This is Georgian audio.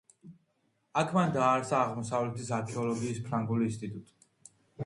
აქ მან დააარსა აღმოსავლეთის არქეოლოგიის ფრანგული ინსტიტუტი.